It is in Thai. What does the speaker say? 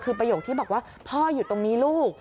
คือประโยคที่บอกว่าพ่ออยู่ตรงนี้ลูก